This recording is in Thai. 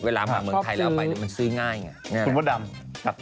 เวลามาเมืองไทยแล้วเอาไปมันซื้อง่ายไง